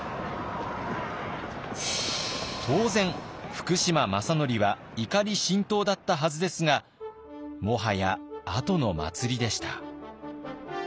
当然福島正則は怒り心頭だったはずですがもはや後の祭りでした。